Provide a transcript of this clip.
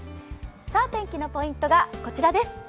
天気のポイントがこちらです。